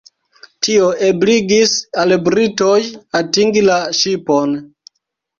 Tio ebligis al britoj atingi la ŝipon.